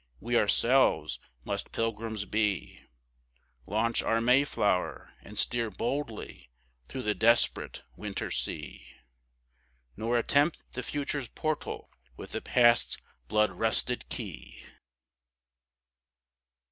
we ourselves must Pilgrims be, Launch our Mayflower, and steer boldly through the desperate winter sea, Nor attempt the Future's portal with the Past's blood rusted key.